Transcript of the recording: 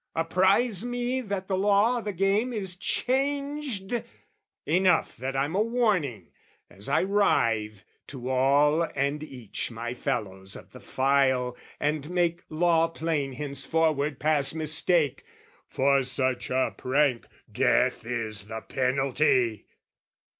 Apprize me that the law o' the game is changed? Enough that I'm a warning, as I writhe, To all and each my fellows of the file, And make law plain henceforward past mistake, "For such a prank, death is the penalty!"